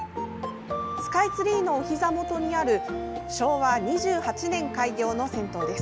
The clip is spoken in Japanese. スカイツリーのおひざ元にある昭和２８年開業の銭湯です。